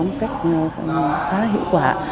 một cách khá là hiệu quả